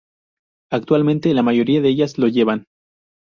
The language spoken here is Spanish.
Actualmente la mayoría de ellas lo llevan.